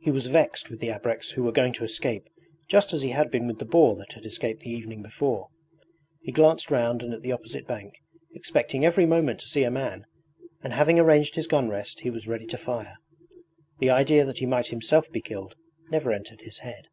He was vexed with the ABREKS who were going to escape just as he had been with the boar that had escaped the evening before. He glanced round and at the opposite bank, expecting every moment to see a man, and having arranged his gun rest he was ready to fire. The idea that he might himself be killed never entered his head.